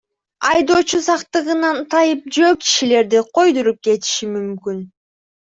Айдоочу сактыгынан тайып жөө кишилерди койдуруп кетиши мүмкүн.